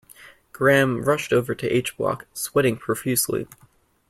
Graham rushed over to H block, sweating profusely.